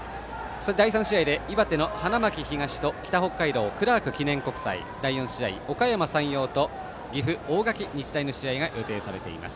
第３試合で岩手の花巻東と北北海道、クラーク国際第４試合、おかやま山陽と岐阜、大垣日大の試合が予定されています。